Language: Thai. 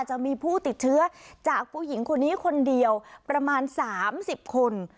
จะมีผู้ติดเชื้อจากผู้หญิงคนนี้คนเดียวประมาณ๓๐คน